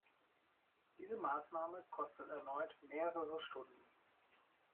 Diese Maßnahme kostet erneut mehrere Stunden.